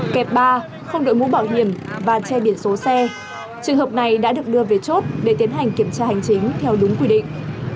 kẹp ba không đội mũ bảo hiểm và che biển số xe trường hợp này đã được đưa về chốt để tiến hành kiểm tra hành chính theo đúng quy định